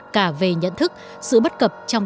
cả về nhận thức sự bất cập trong